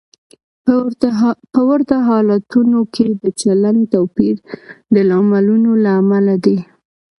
په ورته حالتونو کې د چلند توپیر د لاملونو له امله دی.